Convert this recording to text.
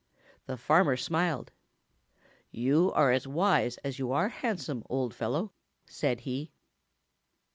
The farmer smiled. "You are as wise as you are handsome, old fellow," said he.